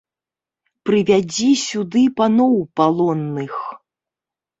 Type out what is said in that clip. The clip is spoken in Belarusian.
Прывядзі сюды паноў палонных!